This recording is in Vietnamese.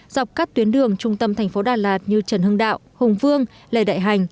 dọc các tuyến đường trung tâm thành phố đà lạt như trần hưng đạo hùng vương lê đại hành